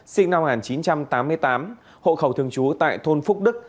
sinh năm một nghìn chín trăm tám mươi tám hộ khẩu thường trú tại thôn phúc đức